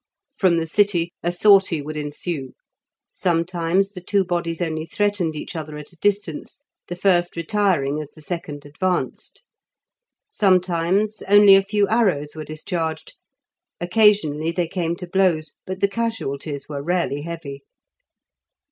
From the city a sortie would ensue; sometimes the two bodies only threatened each other at a distance, the first retiring as the second advanced. Sometimes only a few arrows were discharged; occasionally they came to blows, but the casualties were rarely heavy.